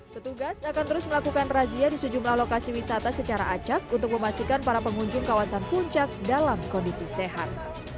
petugas akan terus melakukan razia di sejumlah lokasi wisata secara acak untuk memastikan para pengunjung kawasan puncak dalam kondisi sehat